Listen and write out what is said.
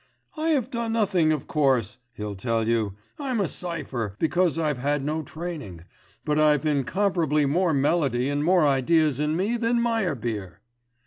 "I have done nothing, of course," he'll tell you. "I'm a cipher, because I've had no training, but I've incomparably more melody and more ideas in me than in Meyerbeer."